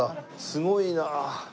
すごいな。